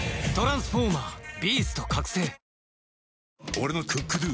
俺の「ＣｏｏｋＤｏ」！